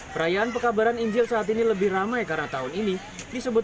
perayaan pekabaran injil saat ini lebih ramai karena tahun ini disebut